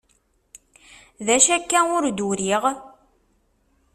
D acu akka ur d-uriɣ?